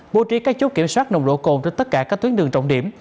bố trí các chốt kiểm soát nồng độ cồn trên tất cả các tuyến đường trọng điểm